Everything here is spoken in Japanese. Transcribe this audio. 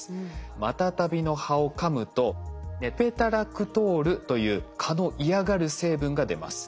マタタビの葉をかむとネペタラクトールという蚊の嫌がる成分が出ます。